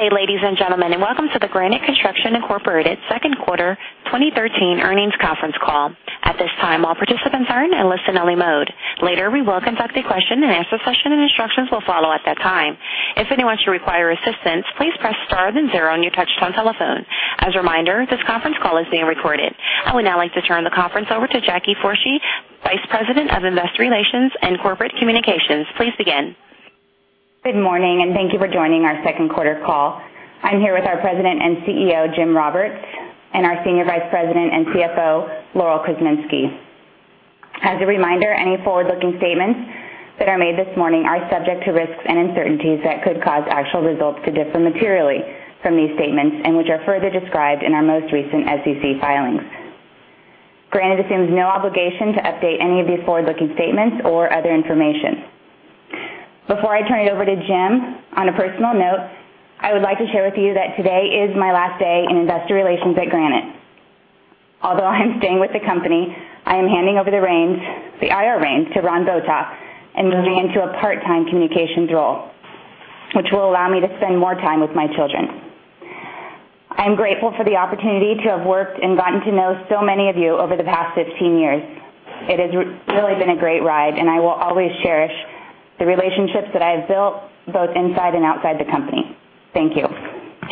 Good day, ladies and gentlemen, and welcome to the Granite Construction Incorporated Second Quarter 2013 Earnings Conference Call. At this time, all participants are in a listen-only mode. Later, we will conduct a question-and-answer session, and instructions will follow at that time. If anyone should require assistance, please press star then zero on your touch-tone telephone. As a reminder, this conference call is being recorded. I would now like to turn the conference over to Jackie Forshee, Vice President of Investor Relations and Corporate Communications. Please begin. Good morning, and thank you for joining our second quarter call. I'm here with our President and CEO, Jim Roberts, and our Senior Vice President and CFO, Laurel Krzeminski. As a reminder, any forward-looking statements that are made this morning are subject to risks and uncertainties that could cause actual results to differ materially from these statements and which are further described in our most recent SEC filings. Granite assumes no obligation to update any of these forward-looking statements or other information. Before I turn it over to Jim, on a personal note, I would like to share with you that today is my last day in Investor Relations at Granite. Although I am staying with the company, I am handing over the reins, the IR reins, to Ron Botoff and moving into a part-time communications role, which will allow me to spend more time with my children. I'm grateful for the opportunity to have worked and gotten to know so many of you over the past 15 years. It has really been a great ride, and I will always cherish the relationships that I have built, both inside and outside the company. Thank you.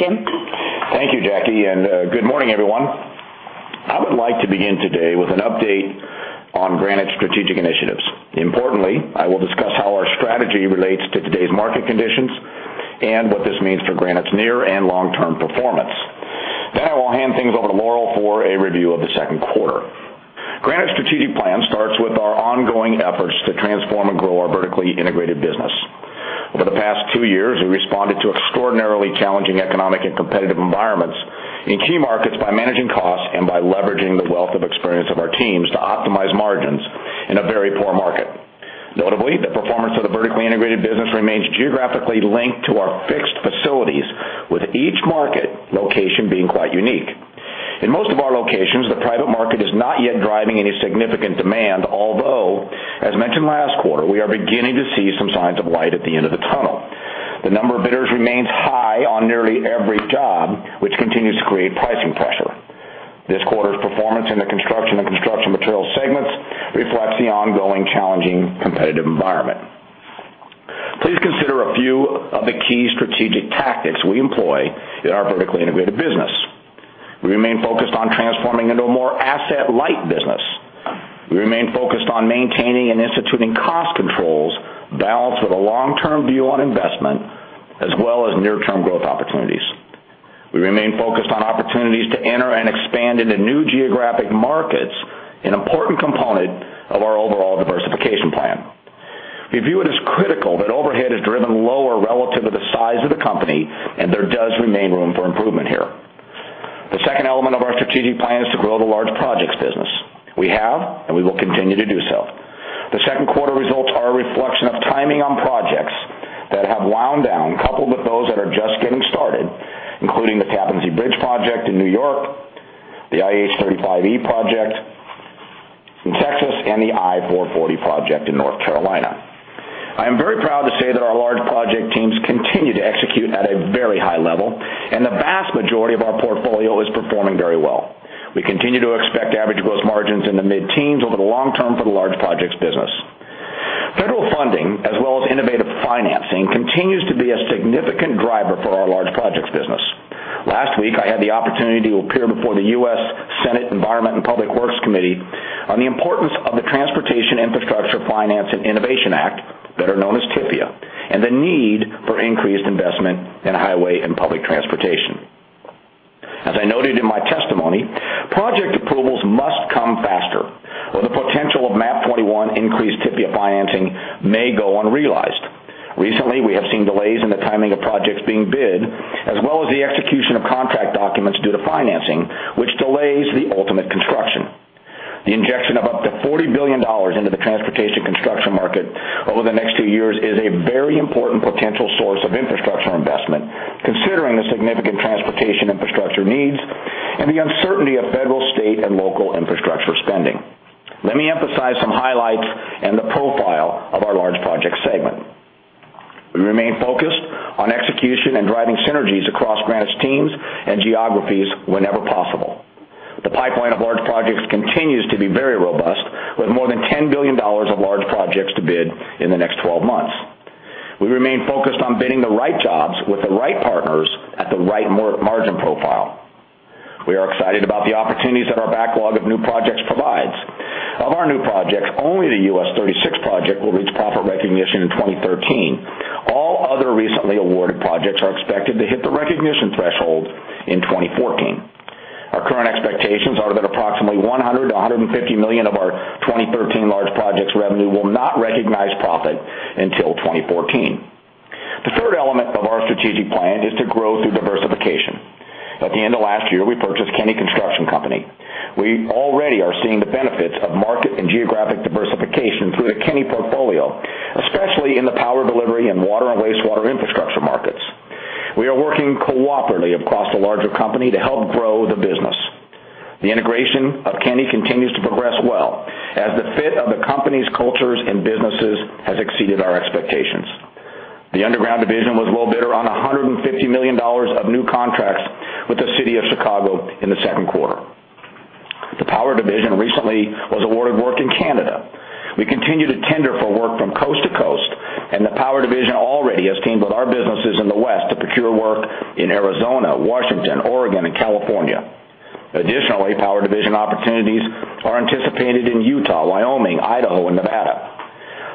Jim? Thank you, Jackie, and good morning, everyone. I would like to begin today with an update on Granite's strategic initiatives. Importantly, I will discuss how our strategy relates to today's market conditions and what this means for Granite's near and long-term performance. Then I will hand things over to Laurel for a review of the second quarter. Granite's strategic plan starts with our ongoing efforts to transform and grow our vertically integrated business. Over the past two years, we responded to extraordinarily challenging economic and competitive environments in key markets by managing costs and by leveraging the wealth of experience of our teams to optimize margins in a very poor market. Notably, the performance of the vertically integrated business remains geographically linked to our fixed facilities, with each market location being quite unique. In most of our locations, the private market is not yet driving any significant demand, although, as mentioned last quarter, we are beginning to see some signs of light at the end of the tunnel. The number of bidders remains high on nearly every job, which continues to create pricing pressure. This quarter's performance in the construction and construction materials segments reflects the ongoing challenging competitive environment. Please consider a few of the key strategic tactics we employ in our vertically integrated business. We remain focused on transforming into a more asset-light business. We remain focused on maintaining and instituting cost controls, balanced with a long-term view on investment, as well as near-term growth opportunities. We remain focused on opportunities to enter and expand into new geographic markets, an important component of our overall diversification plan. We view it as critical that overhead is driven lower relative to the size of the company, and there does remain room for improvement here. The second element of our strategic plan is to grow the large projects business. We have, and we will continue to do so. The second quarter results are a reflection of timing on projects that have wound down, coupled with those that are just getting started, including the Tappan Zee Bridge project in New York, the IH-35E project in Texas, and the I-440 project in North Carolina. I am very proud to say that our large project teams continue to execute at a very high level, and the vast majority of our portfolio is performing very well. We continue to expect average gross margins in the mid-teens over the long term for the large projects business. Federal funding, as well as innovative financing, continues to be a significant driver for our large projects business. Last week, I had the opportunity to appear before the U.S. Senate Environment and Public Works Committee on the importance of the Transportation Infrastructure Finance and Innovation Act, better known as TIFIA, and the need for increased investment in highway and public transportation. As I noted in my testimony, project approvals must come faster, or the potential of MAP-21 increased TIFIA financing may go unrealized. Recently, we have seen delays in the timing of projects being bid, as well as the execution of contract documents due to financing, which delays the ultimate construction. The injection of up to $40 billion into the transportation construction market over the next two years is a very important potential source of infrastructure investment, considering the significant transportation infrastructure needs and the uncertainty of federal, state, and local infrastructure spending. Let me emphasize some highlights and the profile of our large project segment. We remain focused on execution and driving synergies across Granite's teams and geographies whenever possible. The pipeline of large projects continues to be very robust, with more than $10 billion of large projects to bid in the next 12 months. We remain focused on bidding the right jobs with the right partners at the right margin profile. We are excited about the opportunities that our backlog of new projects provides. Of our new projects, only the US 36 project will reach profit recognition in 2013. All other recently awarded projects are expected to hit the recognition threshold in 2014. Our current expectations are that approximately $100 million to $150 million of our 2013 large projects revenue will not recognize profit until 2014. The third element of our strategic plan is to grow through diversification. At the end of last year, we purchased Kenny Construction Company. We already are seeing the benefits of market and geographic diversification through the Kenny portfolio, especially in the power delivery and water and wastewater infrastructure markets. We are working cooperatively across the larger company to help grow the business. The integration of Kenny continues to progress well, as the fit of the company's cultures and businesses has exceeded our expectations. The underground division was well bid around $150 million of new contracts with the city of Chicago in the second quarter. The power division recently was awarded work in Canada. We continue to tender for work from coast to coast, and the power division already has teamed with our businesses in the West to procure work in Arizona, Washington, Oregon, and California. Additionally, power division opportunities are anticipated in Utah, Wyoming, Idaho, and Nevada.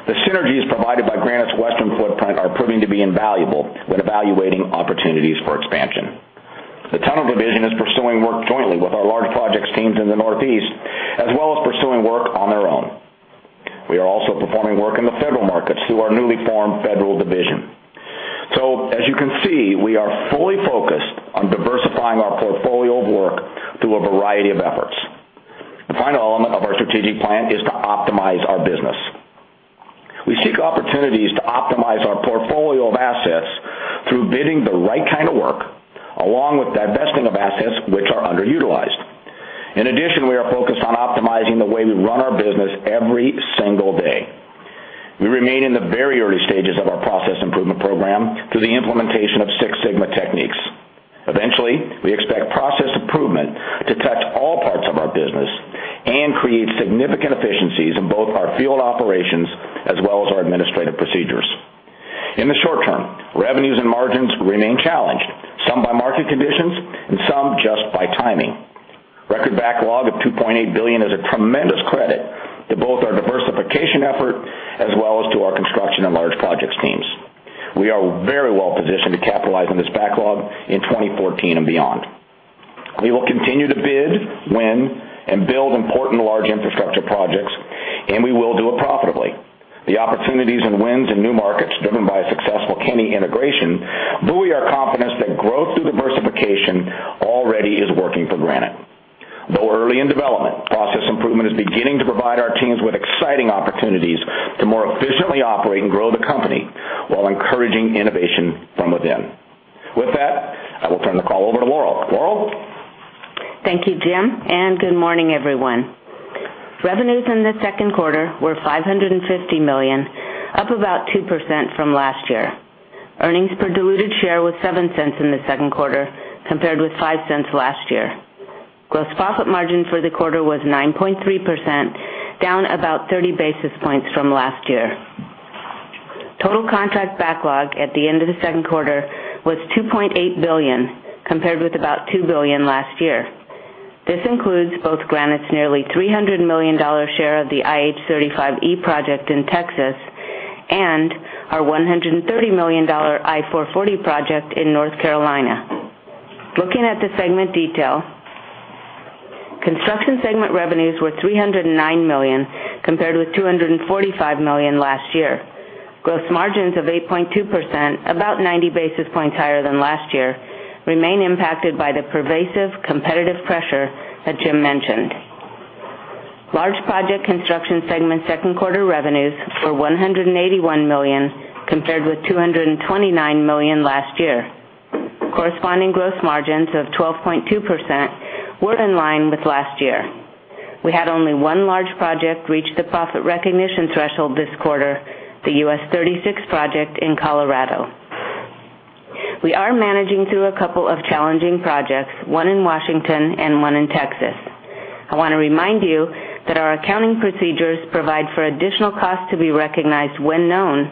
The synergies provided by Granite's Western footprint are proving to be invaluable when evaluating opportunities for expansion. The tunnel division is pursuing work jointly with our large projects teams in the Northeast, as well as pursuing work on their own. We are also performing work in the federal markets through our newly formed federal division. So as you can see, we are fully focused on diversifying our portfolio of work through a variety of efforts. The final element of our strategic plan is to optimize our business. We seek opportunities to optimize our portfolio of assets through bidding the right kind of work, along with divesting of assets which are underutilized. In addition, we are focused on optimizing the way we run our business every single day. We remain in the very early stages of our process improvement program through the implementation of Six Sigma techniques. Eventually, we expect process improvement to touch all parts of our business and create significant efficiencies in both our field operations as well as our administrative procedures. In the short term, revenues and margins remain challenged, some by market conditions and some just by timing. Record backlog of $2.8 billion is a tremendous credit to both our diversification effort as well as to our construction and large projects teams. We are very well positioned to capitalize on this backlog in 2014 and beyond. We will continue to bid, win, and build important large infrastructure projects, and we will do it profitably. The opportunities and wins in new markets, driven by a successful Kenny integration, we are confident that growth through diversification already is working for Granite. Though early in development, process improvement is beginning to provide our teams with exciting opportunities to more efficiently operate and grow the company while encouraging innovation from within. With that, I will turn the call over to Laurel. Laurel? Thank you, Jim, and good morning, everyone. Revenues in the second quarter were $550 million, up about 2% from last year. Earnings per diluted share was $0.07 in the second quarter, compared with $0.05 last year. Gross profit margin for the quarter was 9.3%, down about 30 basis points from last year. Total contract backlog at the end of the second quarter was $2.8 billion, compared with about $2 billion last year. This includes both Granite's nearly $300 million share of the IH-35E project in Texas and our $130 million I-440 project in North Carolina. Looking at the segment detail, construction segment revenues were $309 million, compared with $245 million last year. Gross margins of 8.2%, about 90 basis points higher than last year, remain impacted by the pervasive competitive pressure that Jim mentioned. Large project construction segment second quarter revenues for $181 million, compared with $229 million last year. Corresponding gross margins of 12.2% were in line with last year. We had only one large project reach the profit recognition threshold this quarter, the US 36 project in Colorado. We are managing through a couple of challenging projects, one in Washington and one in Texas. I want to remind you that our accounting procedures provide for additional costs to be recognized when known,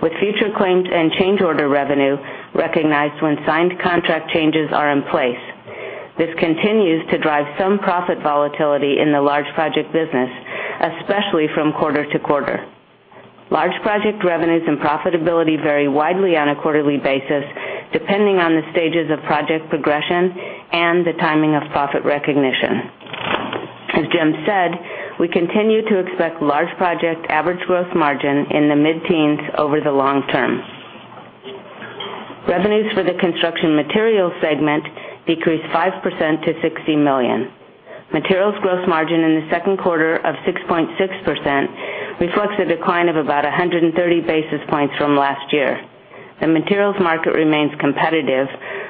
with future claims and change order revenue recognized when signed contract changes are in place. This continues to drive some profit volatility in the large project business, especially from quarter to quarter. Large project revenues and profitability vary widely on a quarterly basis, depending on the stages of project progression and the timing of profit recognition. As Jim said, we continue to expect large project average growth margin in the mid-teens over the long term. Revenues for the construction materials segment decreased 5% to $60 million. Materials gross margin in the second quarter of 6.6% reflects a decline of about 130 basis points from last year. The materials market remains competitive,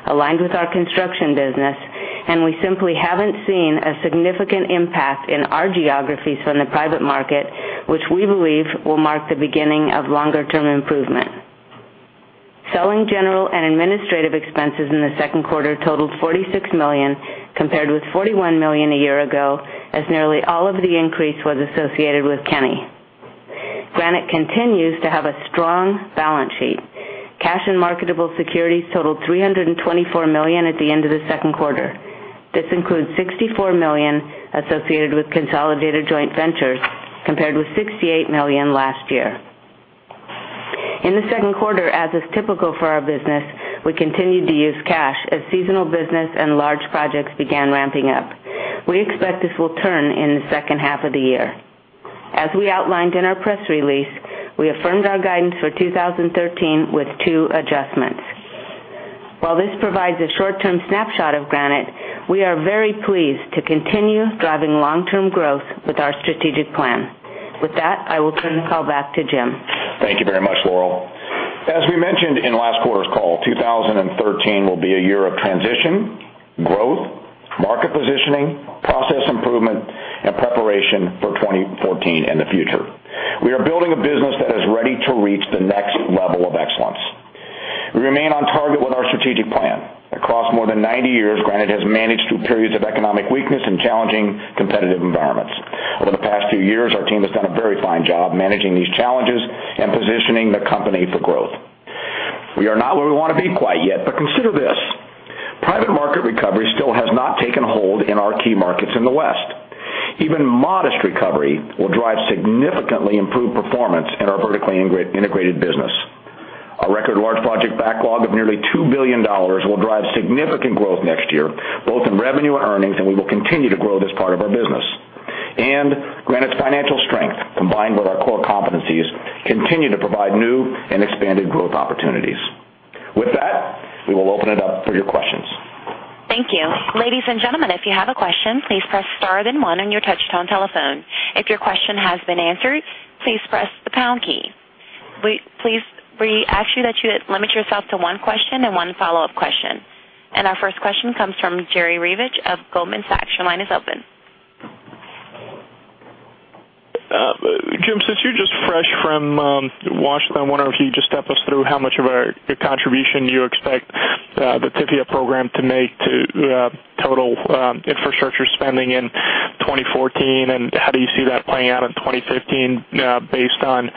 aligned with our construction business, and we simply haven't seen a significant impact in our geographies from the private market, which we believe will mark the beginning of longer-term improvement. Selling, general, and administrative expenses in the second quarter totaled $46 million, compared with $41 million a year ago, as nearly all of the increase was associated with Kenny. Granite continues to have a strong balance sheet. Cash and marketable securities totaled $324 million at the end of the second quarter. This includes $64 million associated with consolidated joint ventures, compared with $68 million last year. In the second quarter, as is typical for our business, we continued to use cash as seasonal business and large projects began ramping up. We expect this will turn in the second half of the year. As we outlined in our press release, we affirmed our guidance for 2013 with two adjustments. While this provides a short-term snapshot of Granite, we are very pleased to continue driving long-term growth with our strategic plan. With that, I will turn the call back to Jim. Thank you very much, Laurel. As we mentioned in last quarter's call, 2013 will be a year of transition, growth, market positioning, process improvement, and preparation for 2014 and the future. We are building a business that is ready to reach the next level of excellence. We remain on target with our strategic plan. Across more than 90 years, Granite has managed through periods of economic weakness and challenging competitive environments. Over the past few years, our team has done a very fine job managing these challenges and positioning the company for growth. We are not where we want to be quite yet, but consider this: private market recovery still has not taken hold in our key markets in the West. Even modest recovery will drive significantly improved performance in our vertically integrated business. Our record large project backlog of nearly $2 billion will drive significant growth next year, both in revenue and earnings, and we will continue to grow this part of our business. Granite's financial strength, combined with our core competencies, continue to provide new and expanded growth opportunities. With that, we will open it up for your questions. Thank you. Ladies and gentlemen, if you have a question, please press star, then one on your touchtone telephone. If your question has been answered, please press the pound key. Please, we ask you that you limit yourself to one question and one follow-up question. And our first question comes from Jerry Revich of Goldman Sachs. Your line is open. Jim, since you're just fresh from Washington, I wonder if you'd just step us through how much of a contribution you expect the TIFIA program to make to total infrastructure spending in 2014, and how do you see that playing out in 2015, based on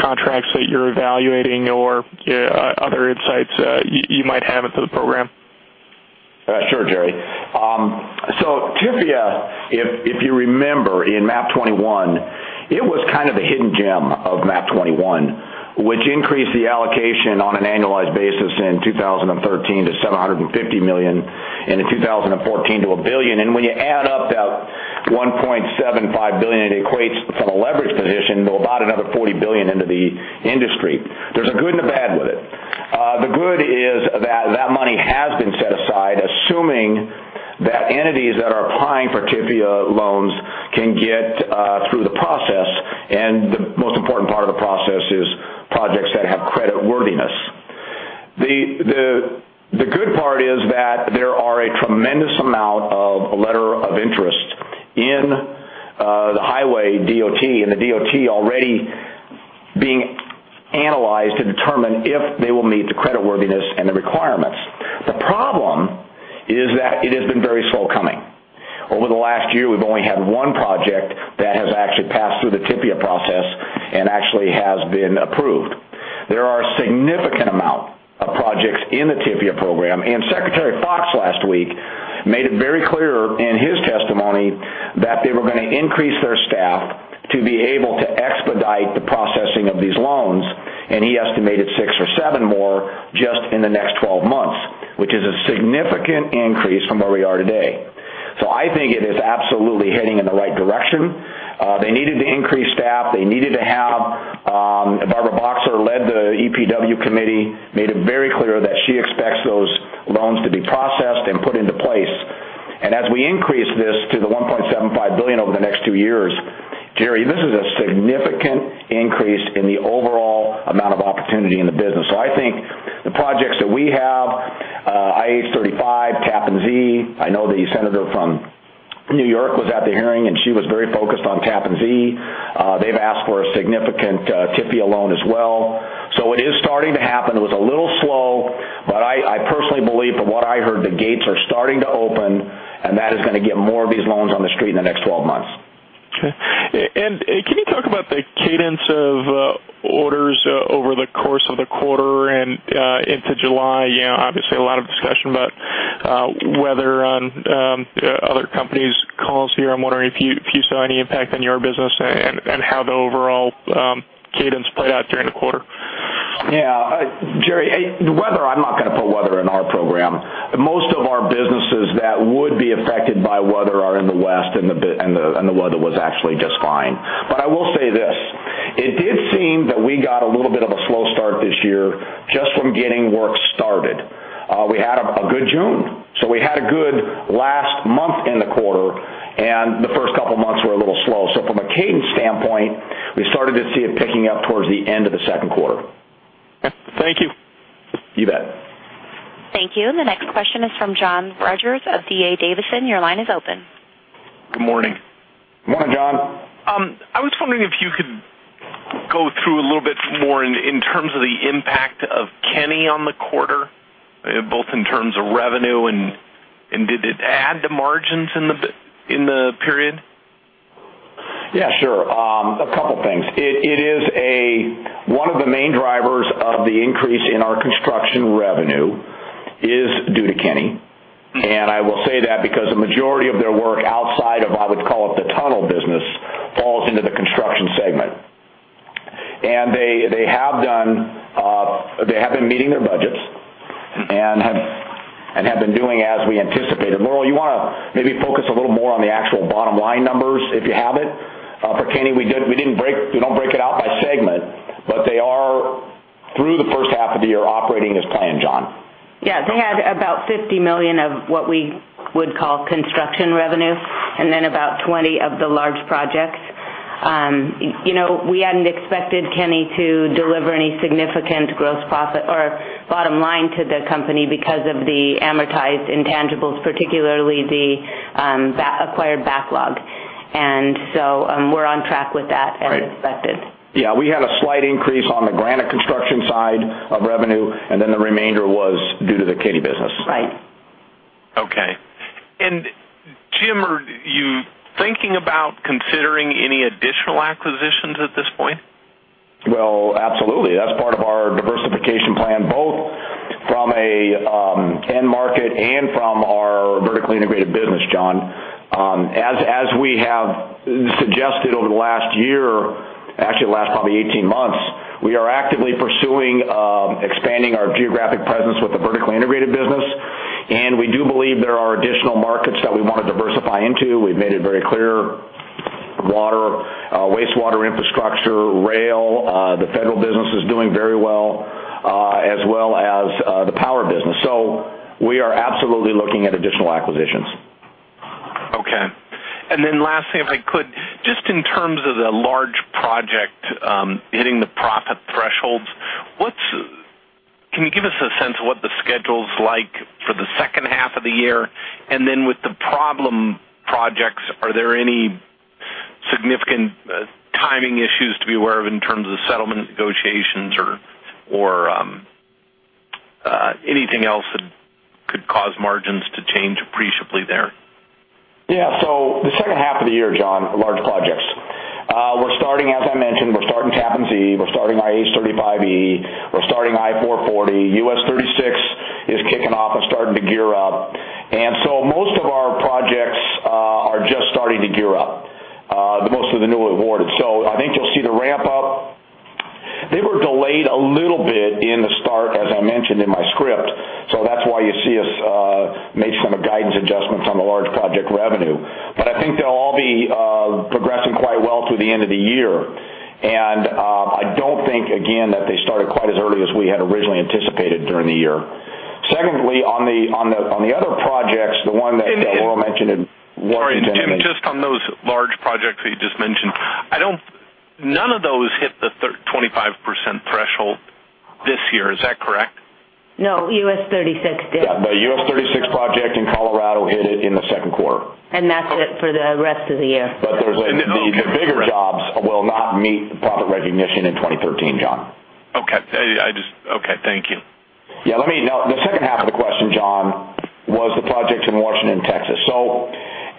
contracts that you're evaluating or other insights you might have into the program? Sure, Jerry. So TIFIA, if, if you remember, in MAP-21, it was kind of a hidden gem of MAP-21, which increased the allocation on an annualized basis in 2013 to $750 million, and in 2014 to $1 billion. When you add up that $1.75 billion, it equates from a leverage position to about another $40 billion into the industry. There's a good and a bad with it. The good is that that money has been set aside, assuming that entities that are applying for TIFIA loans can get through the process, and the most important part of the process is projects that have creditworthiness. The good part is that there are a tremendous amount of letter of interest in the highway DOT, and the DOT already being analyzed to determine if they will meet the creditworthiness and the requirements. The problem is that it has been very slow coming. Over the last year, we've only had one project that has actually passed through the TIFIA process and actually has been approved. There are a significant amount of projects in the TIFIA program, and Secretary Foxx last week made it very clear in his testimony that they were gonna increase their staff to be able to expedite the processing of these loans, and he estimated six or seven more just in the next twelve months, which is a significant increase from where we are today. So I think it is absolutely heading in the right direction. They needed to increase staff. They needed to have Barbara Boxer led the EPW committee, made it very clear that she expects those loans to be processed and put into place. And as we increase this to $1.75 billion over the next two years, Jerry, this is a significant increase in the overall amount of opportunity in the business. So I think the projects that we have, IH-35, Tappan Zee, I know the senator from New York was at the hearing, and she was very focused on Tappan Zee. They've asked for a significant TIFIA loan as well. So it is starting to happen. It was a little slow, but I personally believe from what I heard, the gates are starting to open, and that is gonna get more of these loans on the street in the next 12 months. Okay. And can you talk about the cadence of orders over the course of the quarter and into July? You know, obviously, a lot of discussion about weather on other companies' calls here. I'm wondering if you saw any impact on your business and how the overall cadence played out during the quarter. Yeah. Jerry, the weather, I'm not gonna put weather in our program. Most of our businesses that would be affected by weather are in the West, and the weather was actually just fine. But I will say this, it did seem that we got a little bit of a slow start this year just from getting work started. We had a good June, so we had a good last month in the quarter, and the first couple of months were a little slow. So from a cadence standpoint, we started to see it picking up towards the end of the second quarter. Thank you. You bet. Thank you. The next question is from John Rogers of D.A. Davidson. Your line is open. Good morning. Morning, John. I was wondering if you could go through a little bit more in terms of the impact of Kenny on the quarter, both in terms of revenue, and did it add to margins in the period? Yeah, sure. A couple things. One of the main drivers of the increase in our construction revenue is due to Kenny. And I will say that because the majority of their work outside of what I would call the tunnel business falls into the construction segment. And they have been meeting their budgets and have been doing as we anticipated. Laurel, you wanna maybe focus a little more on the actual bottom-line numbers, if you have it? For Kenny, we didn't break, we don't break it out by segment, but they are, through the first half of the year, operating as planned, John.... Yeah, they had about $50 million of what we would call construction revenue, and then about 20 of the large projects. You know, we hadn't expected Kenny to deliver any significant gross profit or bottom line to the company because of the amortized intangibles, particularly the acquired backlog. And so, we're on track with that as expected. Right. Yeah, we had a slight increase on the Granite Construction side of revenue, and then the remainder was due to the Kenny business. Right. Okay. Jim, are you thinking about considering any additional acquisitions at this point? Well, absolutely. That's part of our diversification plan, both from a end market and from our vertically integrated business, John. As we have suggested over the last year, actually the last probably 18 months, we are actively pursuing expanding our geographic presence with the vertically integrated business, and we do believe there are additional markets that we want to diversify into. We've made it very clear, water, wastewater infrastructure, rail, the federal business is doing very well, as well as the power business. So we are absolutely looking at additional acquisitions. Okay. And then lastly, if I could, just in terms of the large project, hitting the profit thresholds, what's-- Can you give us a sense of what the schedule's like for the second half of the year? And then with the problem projects, are there any significant, timing issues to be aware of in terms of settlement negotiations or, anything else that could cause margins to change appreciably there? Yeah. So the second half of the year, John, large projects. We're starting, as I mentioned, we're starting Tappan Zee, we're starting IH-35E, we're starting I-440. US 36 is kicking off and starting to gear up. And so most of our projects are just starting to gear up, most of the newly awarded. So I think you'll see the ramp up. They were delayed a little bit in the start, as I mentioned in my script, so that's why you see us make some guidance adjustments on the large project revenue. But I think they'll all be progressing quite well through the end of the year. And I don't think, again, that they started quite as early as we had originally anticipated during the year. Secondly, on the other projects, the one that Laurel mentioned in Washington- Sorry, Jim, just on those large projects that you just mentioned, none of those hit the 25% threshold this year. Is that correct? No, US 36 did. Yeah, the US 36 project in Colorado hit it in the second quarter. That's it for the rest of the year. But the bigger jobs will not meet the profit recognition in 2013, John. Okay. Okay, thank you. Yeah, let me now, the second half of the question, John, was the projects in Washington and Texas. So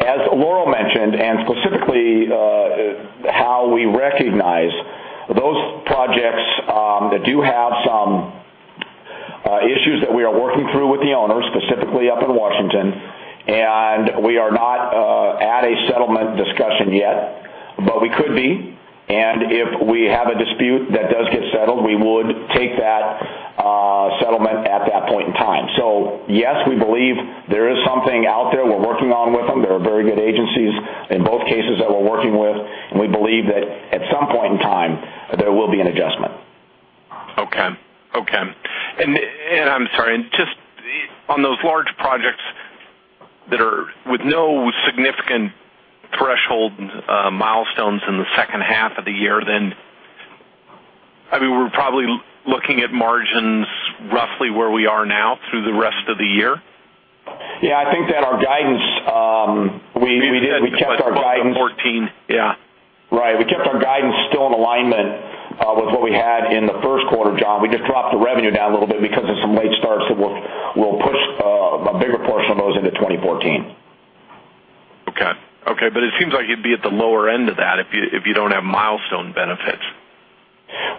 as Laurel mentioned, and specifically, how we recognize those projects, they do have some issues that we are working through with the owners, specifically up in Washington, and we are not at a settlement discussion yet, but we could be. And if we have a dispute that does get settled, we would take that settlement at that point in time. So yes, we believe there is something out there we're working on with them. They are very good agencies in both cases that we're working with, and we believe that at some point in time, there will be an adjustment. Okay. Okay. And, I'm sorry, just on those large projects that are with no significant threshold, milestones in the second half of the year, then, I mean, we're probably looking at margins roughly where we are now through the rest of the year? Yeah, I think that our guidance, we did, we kept our guidance- Fourteen, yeah. Right. We kept our guidance still in alignment with what we had in the first quarter, John. We just dropped the revenue down a little bit because of some late starts, so we'll push a bigger portion of those into 2014. Okay. Okay, but it seems like you'd be at the lower end of that if you, if you don't have milestone benefits.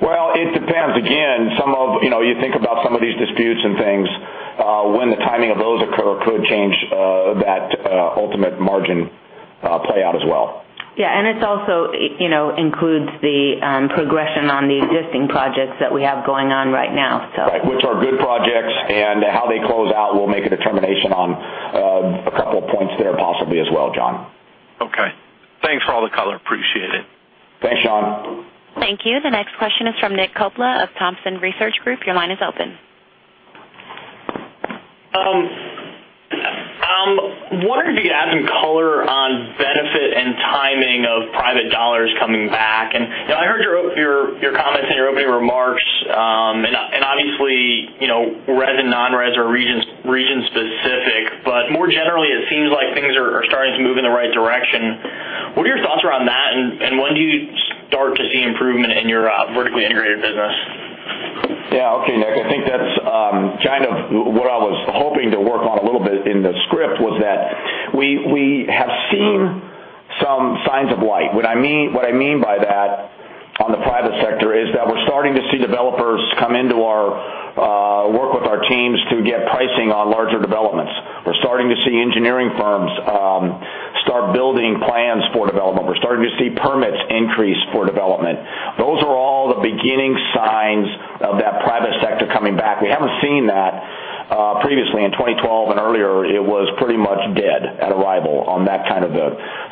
Well, it depends. Again, some of, you know, you think about some of these disputes and things, when the timing of those occur could change that ultimate margin play out as well. Yeah, and it's also, you know, includes the progression on the existing projects that we have going on right now, so. Right, which are good projects, and how they close out, we'll make a determination on a couple of points there possibly as well, John. Okay. Thanks for all the color. Appreciate it. Thanks, John. Thank you. The next question is from Nick Coppola of Thompson Research Group. Your line is open. Wondering if you could add some color on benefit and timing of private dollars coming back? I heard your comments in your opening remarks, and obviously, you know, res and non-res are region specific, but more generally, it seems like things are starting to move in the right direction. What are your thoughts around that, and when do you start to see improvement in your vertically integrated business? Yeah. Okay, Nick, I think that's kind of what I was hoping to work on a little bit in the script, was that we, we have seen some signs of light. What I mean, what I mean by that on the private sector is that we're starting to see developers come into our work with our teams to get pricing on larger developments. We're starting to see engineering firms start building plans for development. We're starting to see permits increase for development. Those are all the beginning signs of that private sector coming back. We haven't seen that previously in 2012 and earlier, on that kind of the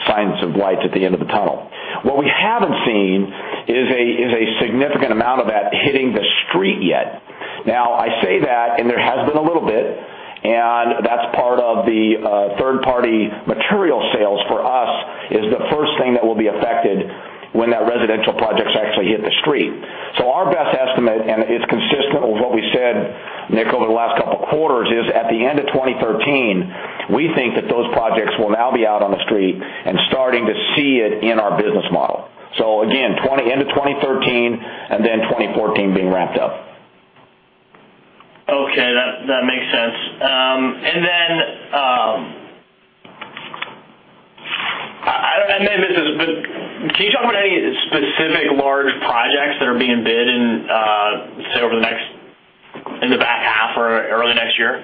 signs of lights at the end of the tunnel. What we haven't seen is a significant amount of that hitting the street yet. Now, I say that, and there has been a little bit, and that's part of the third-party material sales for us, is the first thing that will be affected when that residential projects actually hit the street. So our best estimate, and it's consistent with what we said, Nick, over the last couple of quarters, is at the end of 2013, we think that those projects will now be out on the street and starting to see it in our business model. So again, end of 2013, and then 2014 being ramped up. Okay, that, that makes sense. And then, I know this is, but can you talk about any specific large projects that are being bid in, say, over the next, in the back half or early next year?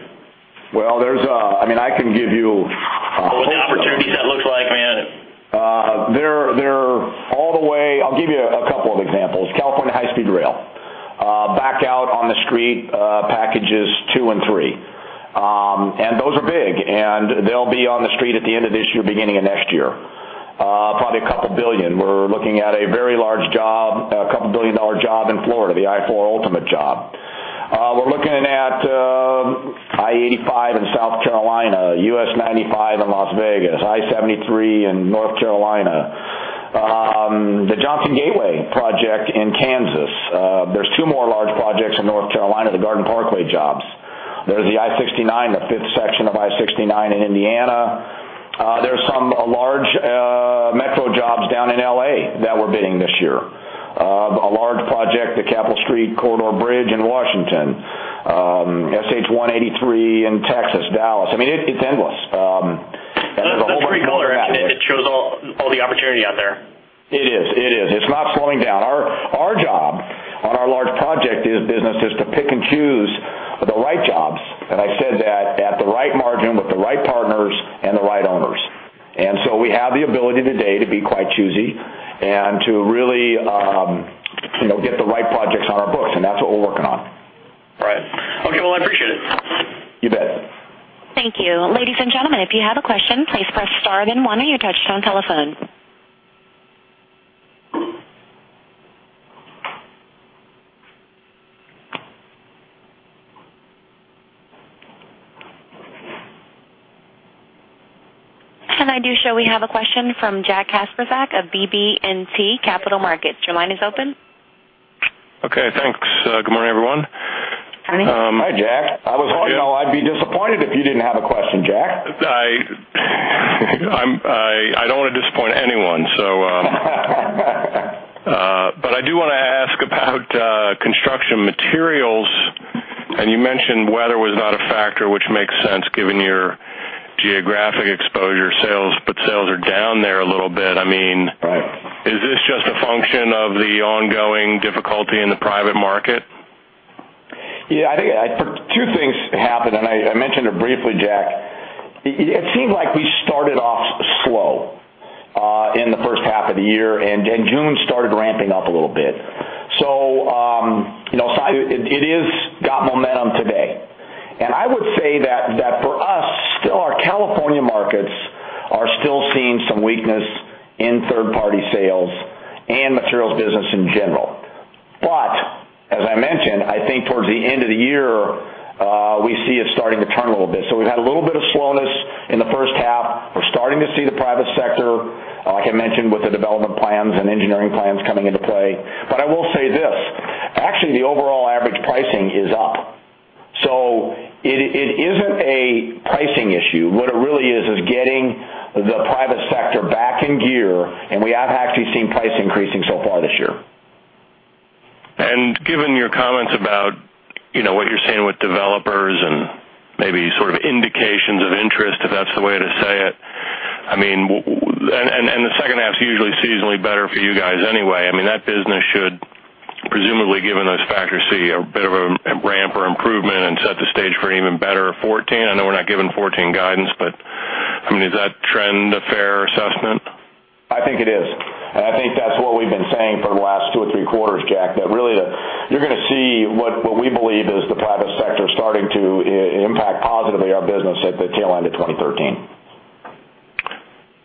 Well, I mean, I can give you- What the opportunity set looks like, I mean. They're all the way... I'll give you a couple of examples. California High-Speed Rail, back out on the street, packages 2 and 3. And those are big, and they'll be on the street at the end of this year, beginning of next year, probably $2 billion. We're looking at a very large job, a $2 billion job in Florida, the I-4 Ultimate job. We're looking at I-85 in South Carolina, US 95 in Las Vegas, I-73 in North Carolina, the Johnson County Gateway project in Kansas. There's 2 more large projects in North Carolina, the Garden Parkway jobs. There's the I-69, the fifth section of I-69 in Indiana. There's some large metro jobs down in L.A. that we're bidding this year. A large project, the South Capitol Street Corridor Bridge in Washington, SH 183 in Texas, Dallas. I mean, it's endless, and there's a whole- That's pretty cool. It shows all the opportunity out there. It is. It is. It's not slowing down. Our job on our large project business is to pick and choose the right jobs, and I said that at the right margin, with the right partners and the right owners. And so we have the ability today to be quite choosy and to really, you know, get the right projects on our books, and that's what we're working on. Right. Okay, well, I appreciate it. You bet. Thank you. Ladies and gentlemen, if you have a question, please press star and then one on your touch-tone telephone. I do show we have a question from Jack Kasprzak of BB&T Capital Markets. Your line is open. Okay, thanks. Good morning, everyone. Hi, Jack. I was, you know, I'd be disappointed if you didn't have a question, Jack. I don't want to disappoint anyone, so, but I do wanna ask about construction materials. You mentioned weather was not a factor, which makes sense given your geographic exposure sales, but sales are down there a little bit. I mean- Right. Is this just a function of the ongoing difficulty in the private market? Yeah, I think two things happened, and I, I mentioned it briefly, Jack. It seemed like we started off slow in the first half of the year, and then June started ramping up a little bit. So, you know, so it is got momentum today. And I would say that for us, still our California markets are still seeing some weakness in third-party sales and materials business in general. But as I mentioned, I think towards the end of the year, we see it starting to turn a little bit. So we've had a little bit of slowness in the first half. We're starting to see the private sector, like I mentioned, with the development plans and engineering plans coming into play. But I will say this, actually, the overall average pricing is up, so it isn't a pricing issue. What it really is, is getting the private sector back in gear, and we have actually seen pricing increasing so far this year. And given your comments about, you know, what you're seeing with developers and maybe sort of indications of interest, if that's the way to say it, I mean, and the second half is usually seasonally better for you guys anyway. I mean, that business should presumably, given those factors, see a bit of a ramp or improvement and set the stage for an even better 2014. I know we're not giving 2014 guidance, but, I mean, is that trend a fair assessment? I think it is. And I think that's what we've been saying for the last two or three quarters, Jack, that really the... You're gonna see what we believe is the private sector starting to impact positively our business at the tail end of 2013.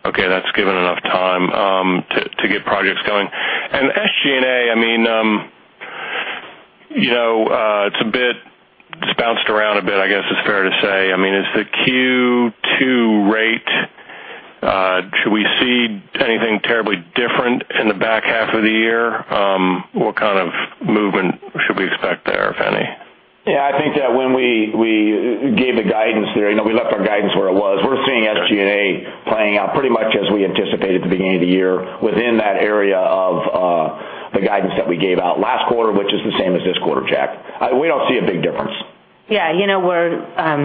Okay, that's given enough time to get projects going. And SG&A, I mean, you know, it's a bit, it's bounced around a bit, I guess it's fair to say. I mean, is the Q2 rate, should we see anything terribly different in the back half of the year? What kind of movement should we expect there, if any? Yeah, I think that when we gave the guidance there, you know, we left our guidance where it was. We're seeing SG&A playing out pretty much as we anticipated at the beginning of the year, within that area of the guidance that we gave out last quarter, which is the same as this quarter, Jack. We don't see a big difference. Yeah, you know, we're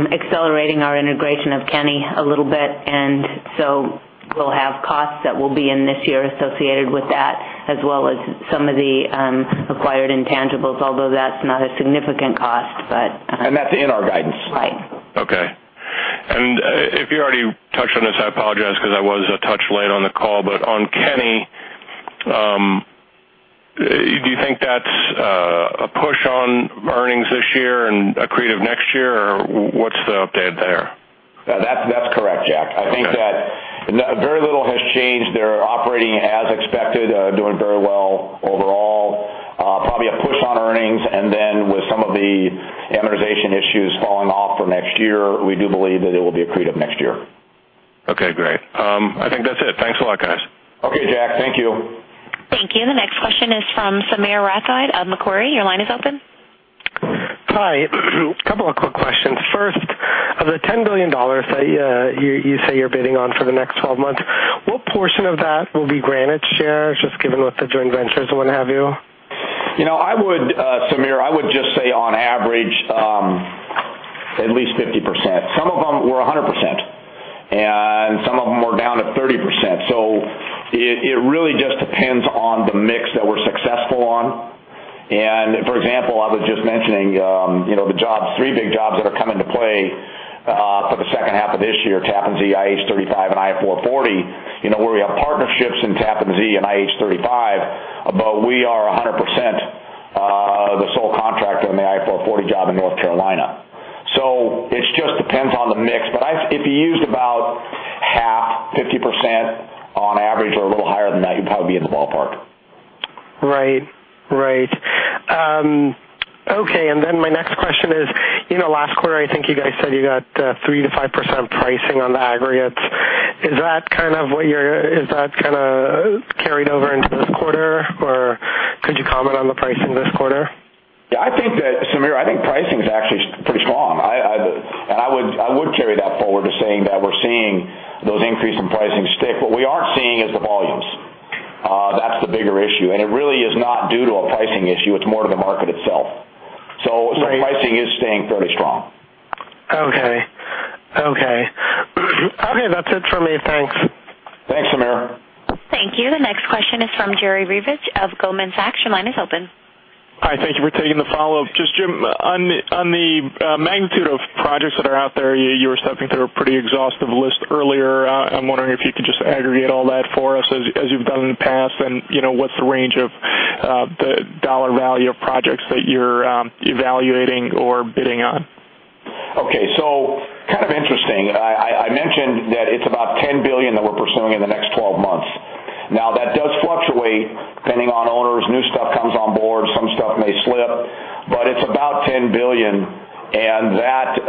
accelerating our integration of Kenny a little bit, and so we'll have costs that will be in this year associated with that, as well as some of the acquired intangibles, although that's not a significant cost, but- That's in our guidance. Right. Okay. And if you already touched on this, I apologize because I was a touch late on the call, but on Kenny, earnings this year and accretive next year, or what's the update there? That's correct, Jack. Okay. I think that very little has changed. They're operating as expected, doing very well overall. Probably a push on earnings, and then with some of the amortization issues falling off for next year, we do believe that it will be accretive next year. Okay, great. I think that's it. Thanks a lot, guys. Okay, Jack. Thank you. Thank you. The next question is from Samir Rathod of Macquarie. Your line is open. Hi. A couple of quick questions. First, of the $10 billion that you, you say you're bidding on for the next 12 months, what portion of that will be Granite shares, just given with the joint ventures and what have you? You know, I would, Samir, I would just say on average, at least 50%. Some of them were 100%, and some of them were down to 30%. So it really just depends on the mix that we're successful on. And, for example, I was just mentioning, you know, the jobs, three big jobs that are coming to play, for the second half of this year, Tappan Zee, IH-35, and I-440. You know, where we have partnerships in Tappan Zee and IH-35, but we are 100%, the sole contractor on the I-440 job in North Carolina. So it just depends on the mix. But if you used about half, 50% on average, or a little higher than that, you'd probably be in the ballpark. Right. Right. Okay, and then my next question is, you know, last quarter, I think you guys said you got 3%-5% pricing on the aggregates. Is that kind of what you're-- is that kinda carried over into this quarter, or could you comment on the pricing this quarter? Yeah, I think that, Samir, I think pricing is actually pretty strong. I would carry that forward to saying that we're seeing those increases in pricing stick. What we aren't seeing is the volumes. That's the bigger issue, and it really is not due to a pricing issue, it's more to the market itself. Right. The pricing is staying fairly strong. Okay. Okay. Okay, that's it for me. Thanks. Thanks, Samir. Thank you. The next question is from Jerry Revich of Goldman Sachs. Your line is open. Hi, thank you for taking the follow-up. Just Jim, on the magnitude of projects that are out there, you were stepping through a pretty exhaustive list earlier. I'm wondering if you could just aggregate all that for us as you've done in the past, and, you know, what's the range of the dollar value of projects that you're evaluating or bidding on? Okay. So kind of interesting. I mentioned that it's about $10 billion that we're pursuing in the next 12 months. Now, that does fluctuate depending on owners. New stuff comes on board, some stuff may slip, but it's about $10 billion, and that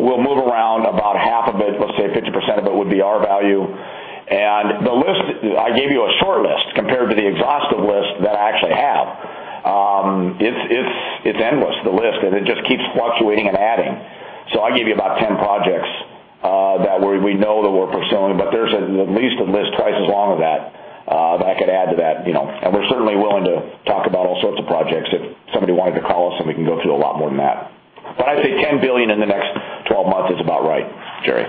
will move around about half of it, let's say 50% of it would be our value. And the list, I gave you a short list compared to the exhaustive list that I actually have. It's endless, the list, and it just keeps fluctuating and adding. I gave you about 10 projects that we know that we're pursuing, but there's at least a list twice as long as that that I could add to that, you know, and we're certainly willing to talk about all sorts of projects if somebody wanted to call us, and we can go through a lot more than that. But I'd say $10 billion in the next 12 months is about right, Jerry.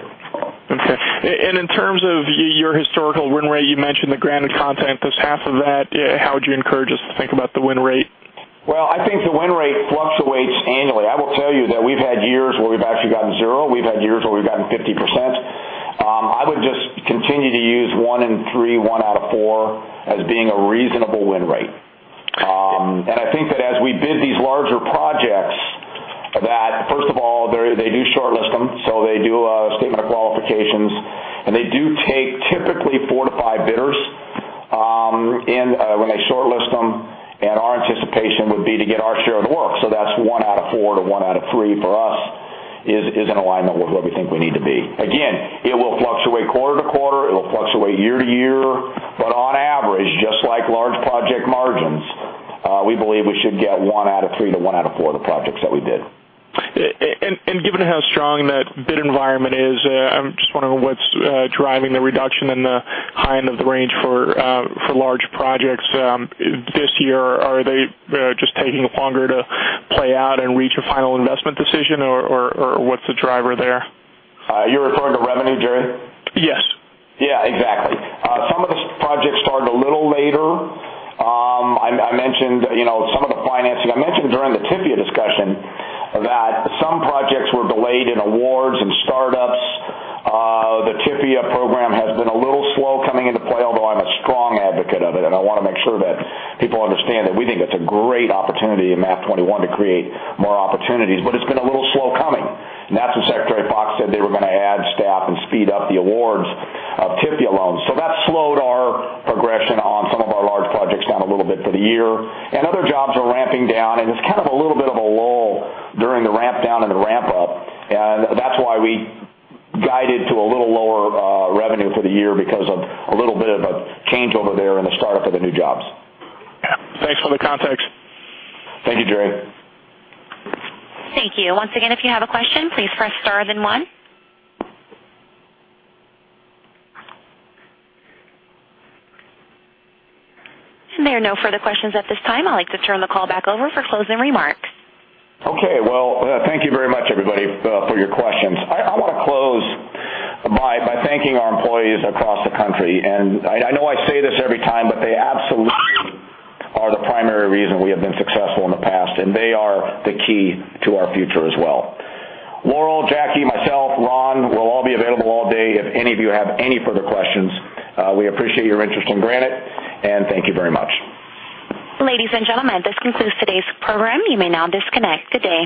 Okay. In terms of your historical win rate, you mentioned the Granite content, just half of that. How would you encourage us to think about the win rate? Well, I think the win rate fluctuates annually. I will tell you that we've had years where we've actually gotten 0. We've had years where we've gotten 50%. I would just continue to use 1 in 3, 1 out of 4 as being a reasonable win rate. And I think that as we bid these larger projects, that first of all, they, they do shortlist them, so they do a Statement of Qualifications, and they do take typically 4-5 bidders, in, when they shortlist them, and our anticipation would be to get our share of the work. So that's 1 out of 4 to 1 out of 3 for us is, is in alignment with where we think we need to be. Again, it will fluctuate quarter to quarter, it'll fluctuate year to year, but on average, just like large project margins, we believe we should get one out of three to one out of four of the projects that we bid. Given how strong that bid environment is, I'm just wondering what's driving the reduction in the high end of the range for large projects this year? Are they just taking longer to play out and reach a final investment decision, or what's the driver there? You're referring to revenue, Jerry? Yes. Yeah, exactly. Some of the projects started a little later. I mentioned, you know, some of the financing. I mentioned during the TIFIA discussion that some projects were delayed in awards and startups. The TIFIA program has been a little slow coming into play, although I'm a strong advocate of it, and I want to make sure that people understand that we think it's a great opportunity in MAP-21 to create more opportunities, but it's been a little slow coming. And that's when Secretary Foxx said they were going to add staff and speed up the awards of TIFIA loans. So that slowed our progression on some of our large projects down a little bit for the year, and other jobs are ramping down, and it's kind of a little bit of a lull during the ramp down and the ramp up, and that's why we guided to a little lower revenue for the year, because of a little bit of a change over there in the startup of the new jobs. Yeah. Thanks for the context. Thank you, Jerry. Thank you. Once again, if you have a question, please press star then one. There are no further questions at this time. I'd like to turn the call back over for closing remarks. Okay, well, thank you very much, everybody, for your questions. I want to close by thanking our employees across the country. I know I say this every time, but they absolutely are the primary reason we have been successful in the past, and they are the key to our future as well. Laurel, Jackie, myself, Ron, we'll all be available all day if any of you have any further questions. We appreciate your interest in Granite, and thank you very much. Ladies and gentlemen, this concludes today's program. You may now disconnect. Good day!